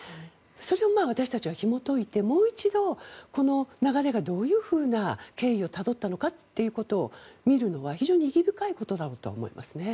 それを私たちはひもといてもう一度、この流れがどういうふうな経緯をたどったのかというのを見るのは非常に意義深いことだろうと思いますね。